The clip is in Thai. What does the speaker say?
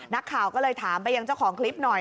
นักข่าวก็เลยถามไปยังเจ้าของคลิปหน่อย